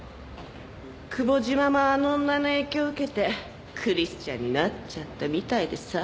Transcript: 久保島もあの女の影響受けてクリスチャンになっちゃったみたいでさ。